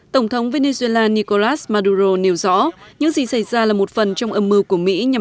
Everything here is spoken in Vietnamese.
tổng thống venezuela nicolas maduro nêu rõ những gì xảy ra là một phần trong âm mưu của mỹ nhằm